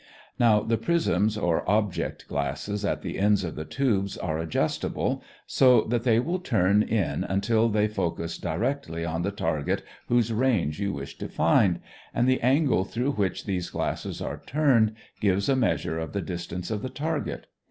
Now, the prisms or object glasses at the ends of the tube are adjustable, so that they will turn in until they focus directly on the target whose range you wish to find, and the angle through which these glasses are turned gives a measure of the distance of the target.